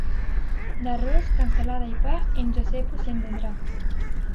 D'arròs, cansalada i pa, en Josep us en vendrà.